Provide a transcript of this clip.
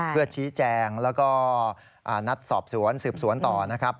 เพื่อชี้แจงแล้วก็นัดสอบสวนสืบสวนต่อนะครับ